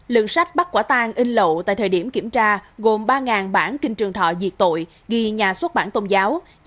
lượng sách bắt quả tang in lậu tại thời điểm kiểm tra gồm ba bản kinh trường thọ diệt tội ghi nhà xuất bản tôn giáo